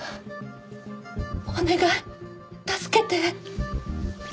お願い助けて！